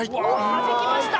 はじきました！